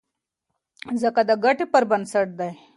ځکه د ګټې پر بنسټ دی.